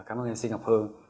cảm ơn anh sĩ ngọc hương